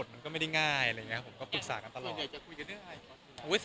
วันในกองเราก็ปรึกษาตลอด